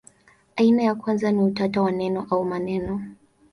Aina ya kwanza ni utata wa neno au maneno.